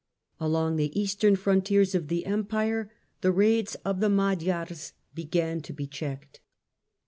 Along the eastern frontiers of the Empire the raids of the Magyars began to be checked.